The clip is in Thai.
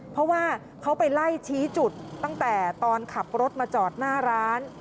เพราะว่าเขาไปไล่ชี้จุดตั้งแต่ตอนขับรถมาจอดหน้าร้าน